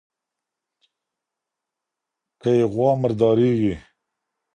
کي غوا مرداریږي